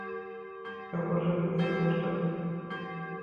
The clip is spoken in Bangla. এই অপারেশনের পিছনে মাস্টার প্ল্যানার অন্য কেউ।